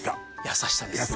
優しさです